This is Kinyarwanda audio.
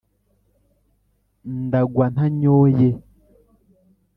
ndagwa ntanyoye